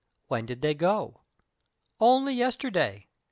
"When did they go?" "Only yesterday.